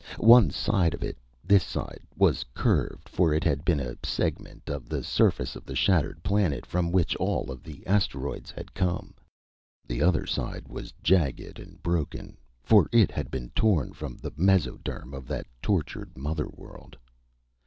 One side of it this side was curved; for it had been a segment of the surface of the shattered planet from which all of the asteroids had come. The other side was jagged and broken, for it had been torn from the mesoderm of that tortured mother world.